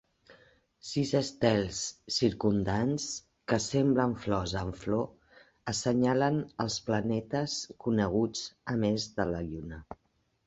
Sis estels circumdants, que semblen flors en flor, assenyalen els planetes coneguts, a més de la Lluna.